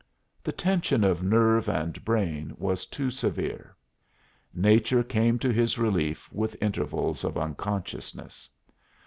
The tension of nerve and brain was too severe; nature came to his relief with intervals of unconsciousness.